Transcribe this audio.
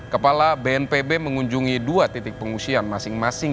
kepala bnpb mengunjungi dua titik pengungsian masing masing